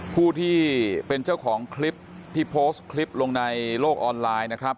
ผู้ที่เป็นเจ้าของคลิปที่โพสต์คลิปลงในโลกออนไลน์นะครับ